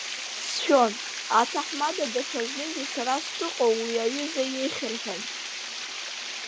Сшәон, аҭаҳмада даҽазнгьы сара сшыҟоу уи аҩыза ихьыр ҳәан.